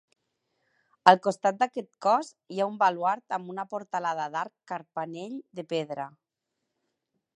Al costat d'aquest cos hi ha un baluard amb una portalada d'arc carpanell de pedra.